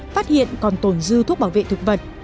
phát hiện còn tồn dư thuốc bảo vệ thực vật